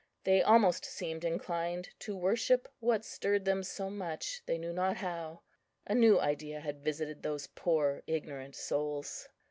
They almost seemed inclined to worship what stirred them so much, they knew not how; a new idea had visited those poor ignorant souls.